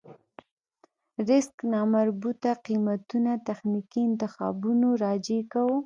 ريسک نامربوطه قېمتونه تخنيکي انتخابونو راجع کوو.